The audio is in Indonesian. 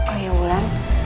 oh ya wulan